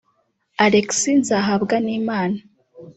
Alex Nzahabwanimana